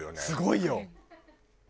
すごいよ。